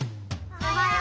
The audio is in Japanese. おはよう！